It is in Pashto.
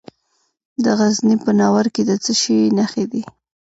د غزني په ناور کې د څه شي نښې دي؟